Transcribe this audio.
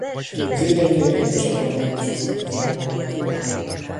Az idény végén csapata búcsúzott az élvonaltól.